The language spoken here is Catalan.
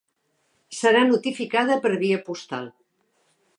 Serà notificada per via postal.